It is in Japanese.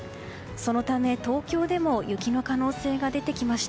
そのため東京でも雪の可能性が出てきました。